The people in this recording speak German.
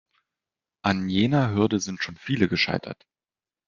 An jener Hürde sind schon viele gescheitert.